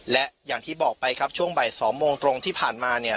และอย่างที่บอกไปครับช่วงบ่าย๒โมงตรงที่ผ่านมาเนี่ย